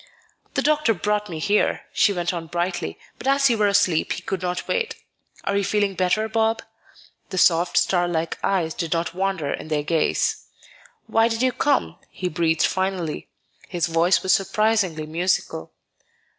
"The doctor brought me here," she went on brightly; "but as you were asleep, he could not wait. Are you feeling better, Bob?" The soft, star like eyes did not wander in their gaze. "Why did you come?" he breathed finally. His voice was surprisingly musical.